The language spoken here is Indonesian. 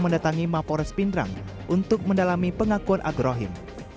mendatangi mapores pindrang untuk mendalami pengakuan abrohim